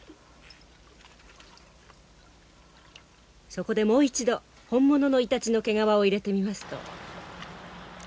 そこでもう一度本物のイタチの毛皮を入れてみますと。